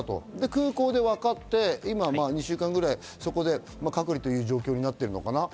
空港で分かって今２週間ぐらいそこで隔離という状況になってるのかな？